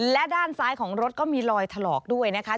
และด้านซ้ายของรถก็มีรอยถลอกด้วยนะคะ